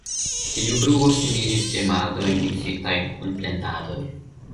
Tiu bruo similis ĝemadojn miksitajn kun plendadoj.